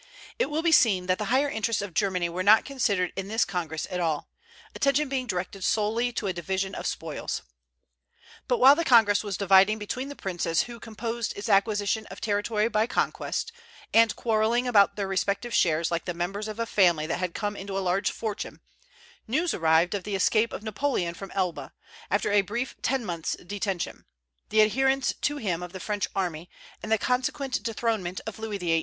It will be seen that the higher interests of Germany were not considered in this Congress at all, attention being directed solely to a division of spoils. But while the Congress was dividing between the princes who composed it its acquisition of territory by conquest, and quarrelling about their respective shares like the members of a family that had come into a large fortune, news arrived of the escape of Napoleon from Elba, after a brief ten months' detention, the adherence to him of the French army, and the consequent dethronement of Louis XVIII.